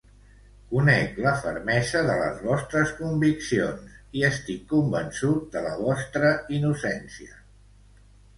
Conec la fermesa de les vostres conviccions i estic convençut de la vostra innocència.